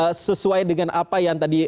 apakah justru sesuai dengan keadaan politik